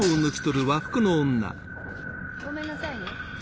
ごめんなさいね。